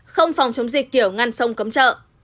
không phòng chống dịch kiểu ngăn sông cấm trợ